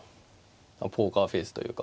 ポーカーフェースというか。